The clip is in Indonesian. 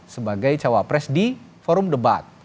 sebagai cawapres di forum debat